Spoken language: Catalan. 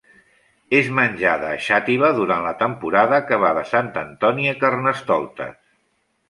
És menjada a Xàtiva durant la temporada que va de Sant Antoni a Carnestoltes.